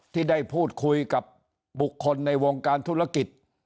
ที่ได้พูดคุยกับบุคคลในวงการธุรกิจ